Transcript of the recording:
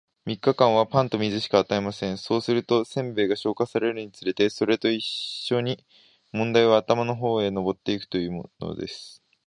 三日間は、パンと水しか与えません。そうすると、煎餅が消化されるにつれて、それと一しょに問題は頭の方へ上ってゆくというのです。